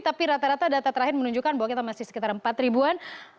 tapi rata rata data terakhir menunjukkan bahwa kita masih sekitar empat ribuan